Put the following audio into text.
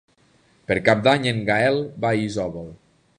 Per Cap d'Any en Gaël va a Isòvol.